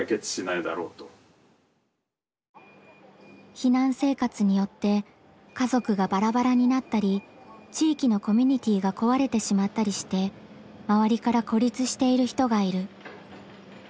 避難生活によって家族がバラバラになったり地域のコミュニティーが壊れてしまったりして周りから孤立している人がいる。